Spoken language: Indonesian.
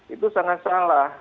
itu sangat salah